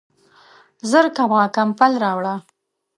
ژر کوه ، کمپل راوړه !